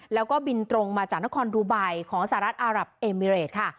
แล้วก็บินตรงมาจากนครดูไบของสหรัฐอารับเอมิเรตค่ะ